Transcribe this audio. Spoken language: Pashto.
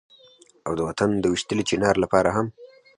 او د وطن د ويشتلي چينار لپاره هم